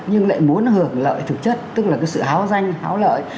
nhưng lại muốn hưởng lợi thực chất tức là cái sự háo danh háo lợi